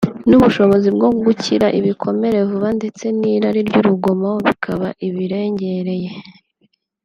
n’ubushobozi bwo gukira ibikomere vuba ndetse n’irari ry’urugomo bikaba ibirengereye